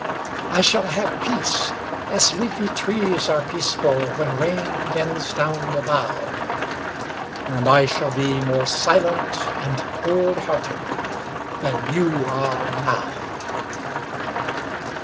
I shall have peace, as leafy trees are peaceful When rain bends down the bough; And I shall be more silent and cold hearted Than you are now.